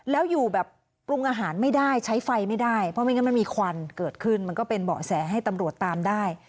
แล้วอยู่แบบปรุงอาหารไม่ได้ใช้ไฟไม่ได้เพราะไม่งั้นมันมีควันเกิดขึ้นมันก็เป็นเบาะแสให้ตำรวจตามได้